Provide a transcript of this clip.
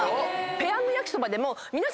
ペヤングやきそばでも皆さん